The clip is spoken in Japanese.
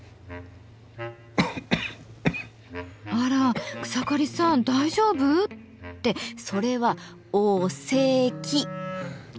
あら草刈さん大丈夫？ってそれはお・せ・き。